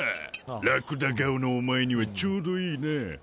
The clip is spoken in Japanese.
ラクダ顔のお前にはちょうどいいな。